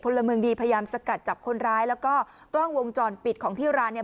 ละเมืองดีพยายามสกัดจับคนร้ายแล้วก็กล้องวงจรปิดของที่ร้านเนี่ย